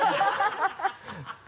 ハハハ